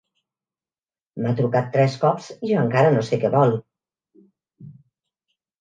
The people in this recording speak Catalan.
M'ha trucat tres cops i encara no sé què vol.